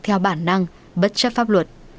theo bản năng bất chấp pháp luật